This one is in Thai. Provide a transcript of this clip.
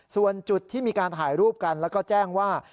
ส่วนจุดที่มีการถ่ายรูปกันแล้วก็แจ้งว่า